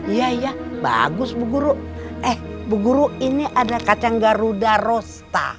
iya iya bagus bu guru eh bu guru ini ada kacang garuda rosta